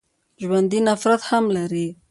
ژوندي نفرت هم لري